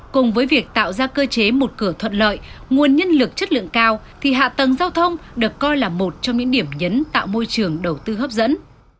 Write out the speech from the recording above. cùng với việc tạo ra cơ chế một cửa thuận lợi nguồn nhân lực chất lượng cao thì hạ tầng giao thông được coi là một trong những điểm nhấn tạo môi trường đầu tư hấp dẫn